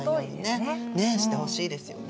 してほしいですよね。